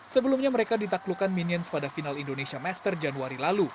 sebelumnya mereka ditaklukkan minions pada final indonesia master januari lalu